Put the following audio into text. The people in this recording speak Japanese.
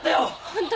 ホント。